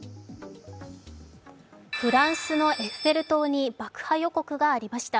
フランスのエッフェル塔に爆破予告がありました。